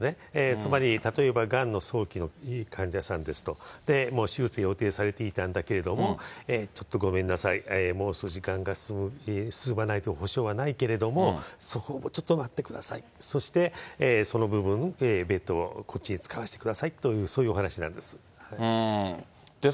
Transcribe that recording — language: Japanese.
つまり例えばがんの早期の患者さんですと、もう手術予定されていたんだけれども、ちょっとごめんなさい、もう少し時間が進まないと保障はないけれども、そこをもうちょっと待ってください、そしてその部分、ベッドをこっちに使わせてくださいという、そういうお話なんです。